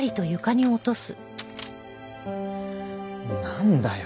なんだよ？